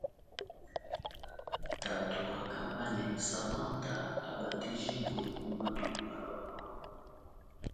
Tatu wakamba ne samanta abatijibwe mu matuku alwalwa.